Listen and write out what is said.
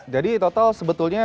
jadi total sebetulnya